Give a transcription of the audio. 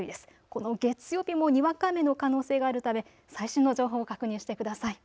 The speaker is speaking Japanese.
この月曜日もにわか雨の可能性があるため最新の情報を確認してください。